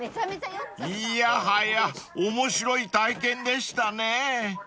［いやはや面白い体験でしたね］